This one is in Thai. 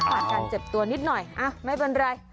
อาการเจ็บตัวนิดหน่อยไม่เป็นไร